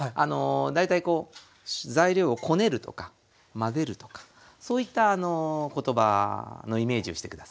大体こう材料をこねるとか混ぜるとかそういった言葉のイメージをして下さい。